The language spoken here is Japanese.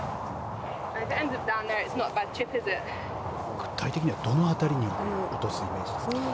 具体的にはどの辺りに落とすイメージですか？